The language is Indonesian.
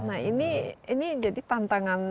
nah ini jadi tantangan